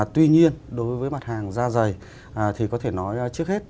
tuy nhiên đối với mặt hàng da dày thì có thể nói trước hết